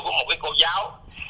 của một cái cô giáo